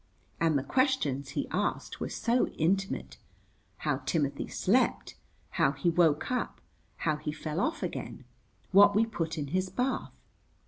And the questions he asked were so intimate, how Timothy slept, how he woke up, how he fell off again, what we put in his bath.